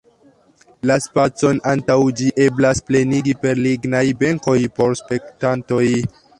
La spacon antaŭ ĝi eblas plenigi per lignaj benkoj por spektantoj.